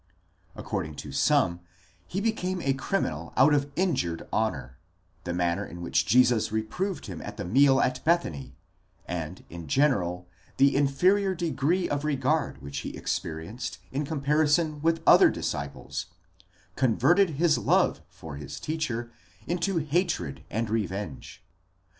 According to some, he became a criminal out of injured honour: the manner in which Jesus reproved him at the meal at Bethany, and, in general, the inferior degree of regard which he experienced in com parison with other disciples, converted his love for his teacher into hatred and revenge.